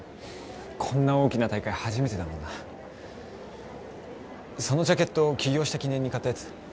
こんな大きな大会初めてだもんなそのジャケット起業した記念に買ったやつ？